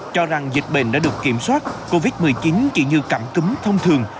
cho rằng dịch bệnh đã được kiểm soát covid một mươi chín chỉ như cảm cúm thông thường